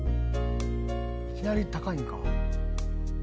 いきなり高いんか。